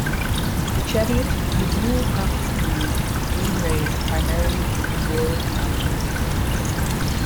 The Cheviot is a dual-purpose breed, being raised primarily for its wool and meat.